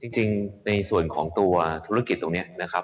จริงในส่วนของตัวธุรกิจตรงนี้นะครับ